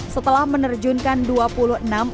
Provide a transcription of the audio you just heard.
setelah menerjunkan dua perjalanan